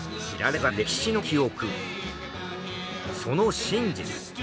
その真実。